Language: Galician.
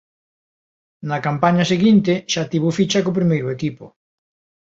Na campaña seguinte xa tivo ficha co primeiro equipo.